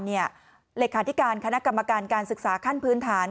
เลขาธิการคณะกรรมการการศึกษาขั้นพื้นฐาน